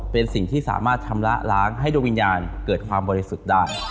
เป็นสิ่งที่สามารถชำระล้างให้ดวงวิญญาณเกิดความบริสุทธิ์ได้